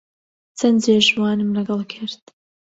چەند جێژوانم لەگەڵ کرد